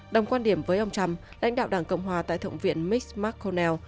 đồng quan điểm với ông trump lãnh đạo đảng cộng hòa tại thượng viện mitch mcconnell